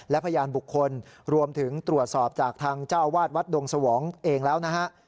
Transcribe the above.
และพยานบุคคลรวมถึงตรวจสอบจากทางเจ้าอาวาสวัดดงสวองเองแล้วนะฮะ